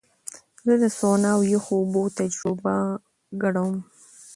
زه د سونا او یخو اوبو تجربه ګډوم.